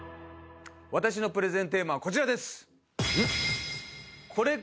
私のプレゼンテーマはこちらです。